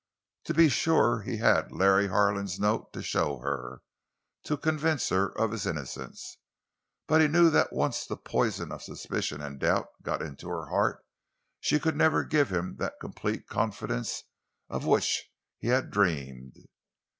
To be sure he had Larry Harlan's note to show her, to convince her of his innocence, but he knew that once the poison of suspicion and doubt got into her heart, she could never give him that complete confidence of which he had dreamed.